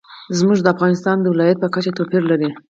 زمرد د افغانستان د ولایاتو په کچه توپیر لري.